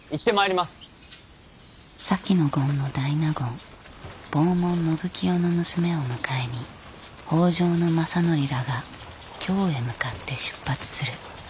前権大納言坊門信清の娘を迎えに北条政範らが京へ向かって出発する。